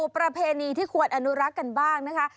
ประเพณีที่ควรอนุรักษ์กันบ้างนะคะ